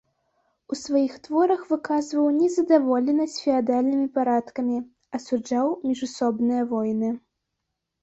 У сваіх творах выказваў незадаволенасць феадальнымі парадкамі, асуджаў міжусобныя войны.